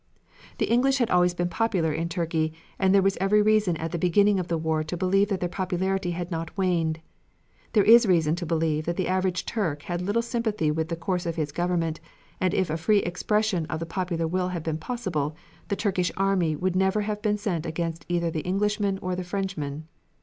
The English had always been popular in Turkey and there was every reason at the beginning of the war to believe that their popularity had not waned. There is reason to believe that the average Turk had little sympathy with the course of his government, and if a free expression of the popular will had been possible the Turkish army would never have been sent against either the Englishmen or the Frenchmen.